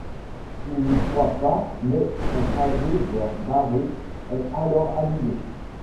Il n'y croit pas mais son trajet vers Baré est alors annulé.